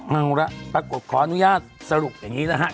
เอาละปรากฏขออนุญาตสรุปอย่างนี้นะครับ